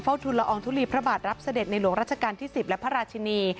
ทุนละอองทุลีพระบาทรับเสด็จในหลวงราชการที่๑๐และพระราชินี